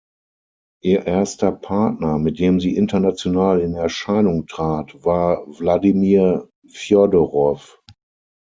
Ihr erster Partner, mit dem sie international in Erscheinung trat, war Wladimir Fjodorow.